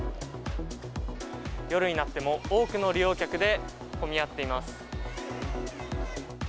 夜になっても多くの利用客で混み合っています。